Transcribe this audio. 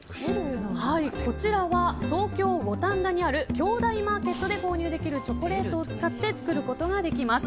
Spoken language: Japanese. こちらは東京・五反田にあるキョウダイマーケットで購入できるチョコレートを使って作ることができます。